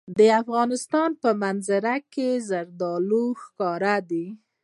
د افغانستان په منظره کې زردالو ښکاره ده.